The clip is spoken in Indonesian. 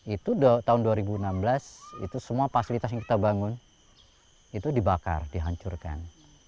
itu tahun dua ribu enam belas itu semua fasilitas yang kita bangun itu dibakar dihancurkan